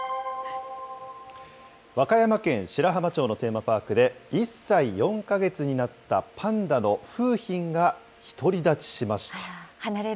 和歌山県白浜町のテーマパークで、１歳４か月になったパンダの楓浜が独り立ちしました。